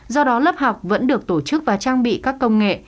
do đó lớp học vẫn được tổ chức và trang bị các công nghệ